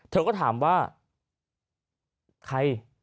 เธอก็ถามว่าใคร